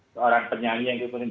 seorang penyanyi yang diberikan